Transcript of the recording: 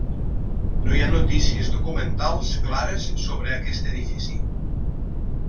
No hi ha notícies documentals clares sobre aquest edifici.